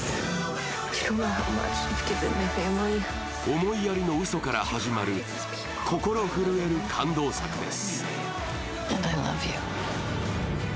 思いやりのうそから始まる心震える感動作です。